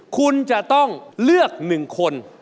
คุณจะต้องเลือก๑คน